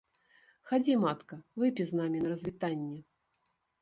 Хадзі, матка, выпі з намі на развітанне.